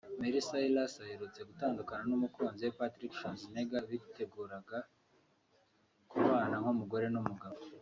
Miley Cyrus aherutse gutandukana n’umukunzi we Patrick Schwarzenegger biteguraga kubana nk’umugore n’umugabo